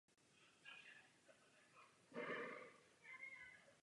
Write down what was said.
Následně se spolu s mladšími členy skupiny přidávají i do další péče o mláďata.